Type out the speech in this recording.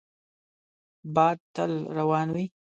باد تل روان وي